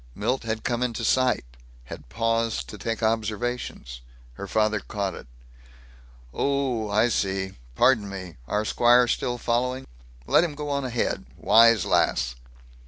Milt had come into sight; had paused to take observations. Her father caught it: "Oh, I see. Pardon me. Our squire still following? Let him go on ahead? Wise lass."